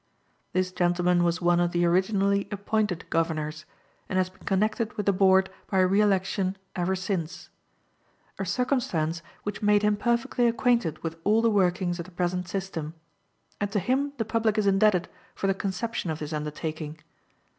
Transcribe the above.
This gentleman was one of the originally appointed Governors, and has been connected with the Board by re election ever since a circumstance which made him perfectly acquainted with all the workings of the present system, and to him the public is indebted for the conception of this undertaking.